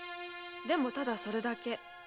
でもただそれだけ。